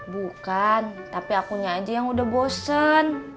bukan tapi akunya aja yang udah bosen